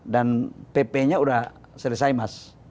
dan pp nya sudah selesai mas